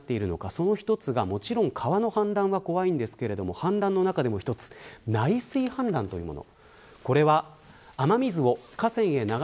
その一つがもちろん川の氾濫は怖いんですが氾濫の中でも一つ、内水氾濫というもの。